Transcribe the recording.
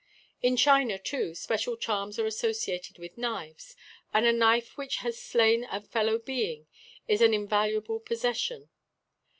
In China, too, special charms are associated with knives, and a knife which has slain a fellow being is an invaluable possession.